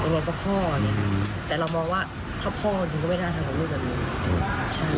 ยังไงก็พ่อเนี่ยแต่เรามองว่าถ้าพ่อจริงก็ไม่ได้ทำแบบนี้